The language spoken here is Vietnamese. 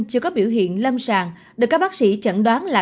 chưa có biểu hiện lâm sàng được các bác sĩ chẩn đoán là